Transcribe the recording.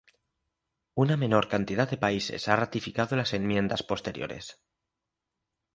Una menor cantidad de países ha ratificado las enmiendas posteriores.